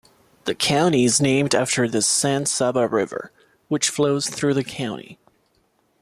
The county is named after the San Saba River, which flows through the county.